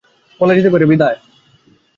বলা যেতে পারে, বিদায়।